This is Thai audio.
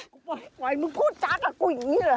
กูบอกให้ปล่อยมึงพูดจักรกับกูอย่างนี้เหรอ